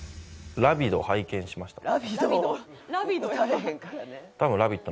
「ラヴィドを拝見しました」。